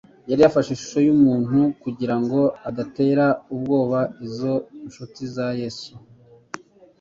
Yari yafashe ishusho y'umuntu kugira ngo adatera ubwoba izo inshuti za Yesu.